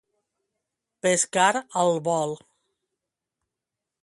Pescar al vol.